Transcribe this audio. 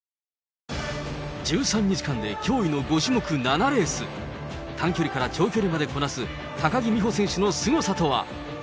１３日間で驚異の５種目７レース、短距離から長距離までこなす高木美帆選手のすごさとは。